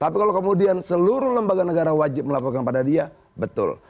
tapi kalau kemudian seluruh lembaga negara wajib melaporkan pada dia betul